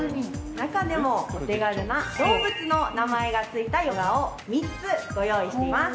中でもお手軽な、動物の名前が付いたヨガを３つご用意しています。